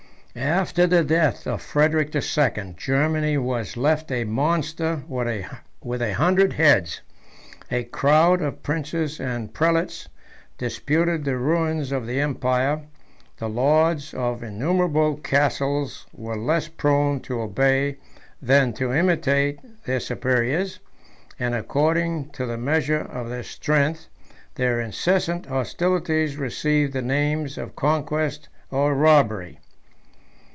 After the death of Frederic the Second, Germany was left a monster with a hundred heads. A crowd of princes and prelates disputed the ruins of the empire: the lords of innumerable castles were less prone to obey, than to imitate, their superiors; and, according to the measure of their strength, their incessant hostilities received the names of conquest or robbery.